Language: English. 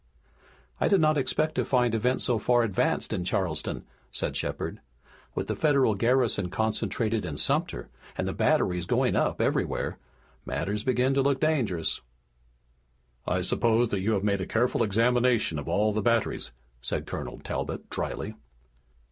"I did not expect to find events so far advanced in Charleston," said Shepard. "With the Federal garrison concentrated in Sumter and the batteries going up everywhere, matters begin to look dangerous." "I suppose that you have made a careful examination of all the batteries," said Colonel Talbot dryly.